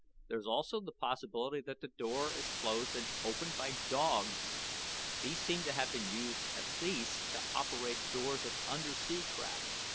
There is also the possibility that the door is closed and opened by dogs. These seem to have been used, at least, to operate doors of undersea crafts.